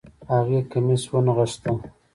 هغې کميس ونغښتۀ